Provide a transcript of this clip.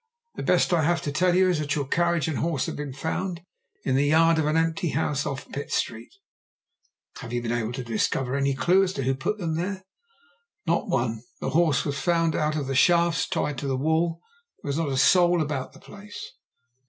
"The best I have to tell you is that your carriage and horse have been found in the yard of an empty house off Pitt Street." "Have you been able to discover any clue as to who put them there?" "Not one! The horse was found out of the shafts tied to the wall. There was not a soul about the place."